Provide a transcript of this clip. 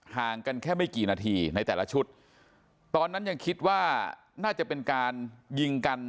ห่างกันแค่ไม่กี่นาทีในแต่ละชุดตอนนั้นยังคิดว่าน่าจะเป็นการยิงกัน